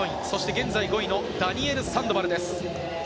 現在５位のダニエル・サンドバルです。